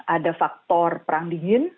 ada faktor perang dingin